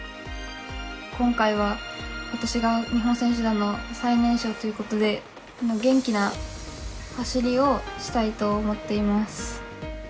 今回は、私が日本選手団の最年少ということで元気な走りをしたいと思っています。